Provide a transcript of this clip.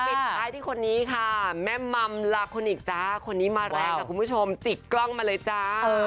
ปิดท้ายที่คนนี้ค่ะแม่มัมลาคนิคจ้าคนนี้มาแรงค่ะคุณผู้ชมจิกกล้องมาเลยจ้า